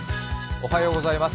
おはようございます。